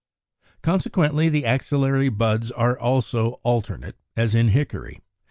Consequently the axillary buds are also alternate, as in Hickory (Fig.